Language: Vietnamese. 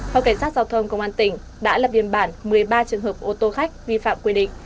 phòng cảnh sát giao thông công an tỉnh đã lập biên bản một mươi ba trường hợp ô tô khách vi phạm quy định